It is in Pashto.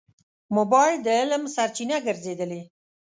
موبایل د علم سرچینه ګرځېدلې.